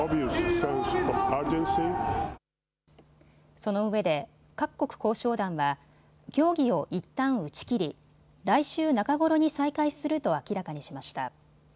そのうえで各国交渉団は協議をいったん打ち切り来週中頃に再開すると明らかにしました。